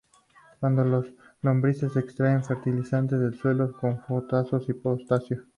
Cuando las lombrices excretan, fertilizan el suelo con fosfatos y potasio.